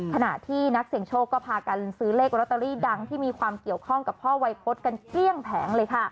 ขณะที่นักเสี่ยงโชคก็พากันซื้อเลขลอตเตอรี่ดังที่มีความเกี่ยวข้องกับพ่อวัยพฤษกันเกลี้ยงแผงเลยค่ะ